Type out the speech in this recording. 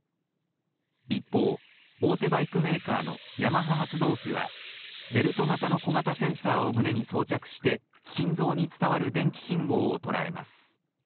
一方、大手バイクメーカーのヤマハ発動機はベルト型の小型センサーを胸に装着して心臓に伝わる電気信号を捉えます。